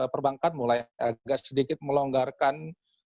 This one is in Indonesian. perbankan mulai agak sedikit melonggarkan